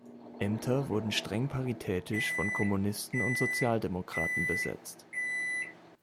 Ämter wurden streng paritätisch von Kommunisten und Sozialdemokraten besetzt.